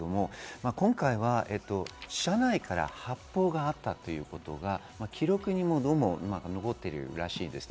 今回は車内から発砲があったということが記録にも残っているらしいです。